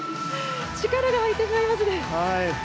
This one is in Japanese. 力が入ってしまいますね。